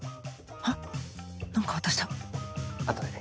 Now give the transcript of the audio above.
あっ何か渡した後でね。